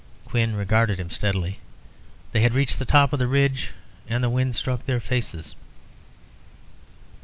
Quin regarded him steadily. They had reached the top of the ridge and the wind struck their faces.